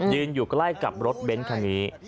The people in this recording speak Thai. อยู่ใกล้กับรถเบ้นคันนี้